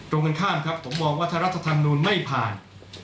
ตรงกันข้ามครับผมมองว่าถ้ารัฐธรรมนูลไม่ผ่าน